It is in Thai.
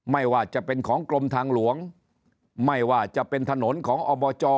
ไม่ว่าจะเป็นของกรมทางหลวงไม่ว่าจะเป็นถนนของอบจ